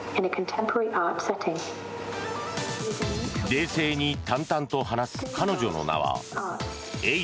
冷静に淡々と話す彼女の名はＡｉ−Ｄａ。